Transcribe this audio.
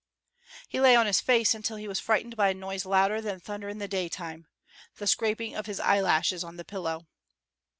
He lay on his face until he was frightened by a noise louder than thunder in the daytime the scraping of his eyelashes on the pillow.